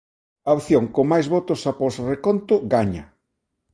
A opción con máis votos após o reconto gaña.